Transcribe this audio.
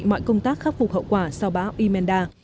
mọi công tác khắc phục hậu quả sau bão emenda